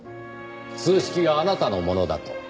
数式があなたのものだと。